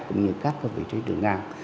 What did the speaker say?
cũng như các cái vị trí đường ngang